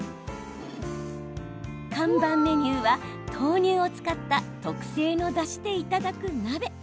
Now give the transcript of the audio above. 看板メニューは豆乳を使った特製のだしでいただく鍋。